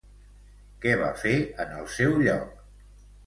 Què va fer en el seu lloc?